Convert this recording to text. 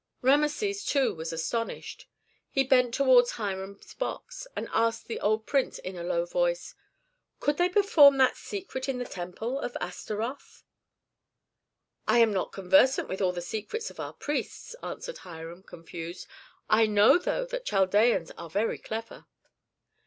Rameses too was astonished. He bent towards Hiram's box, and asked the old prince in a low voice, "Could they perform that secret in the temple of Astaroth?" "I am not conversant with all the secrets of our priests," answered Hiram, confused. "I know, though, that Chaldeans are very clever."